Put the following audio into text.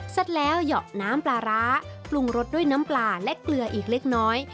เสร็จแล้วเหยาะน้ำปลาร้าปรุงรสด้วยน้ำปลาและเกลืออีกเล็กน้อย